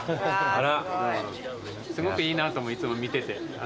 すごくいいなといつも見てて。